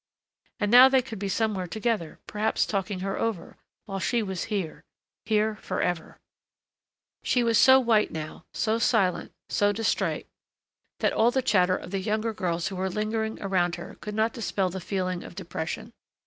And now they could be somewhere together, perhaps talking her over, while she was here ... here forever.... She was so white now, so silent, so distrait, that all the chatter of the younger girls who were lingering around her could not dispel the feeling of depression.